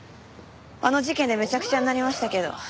あの事件でめちゃくちゃになりましたけど。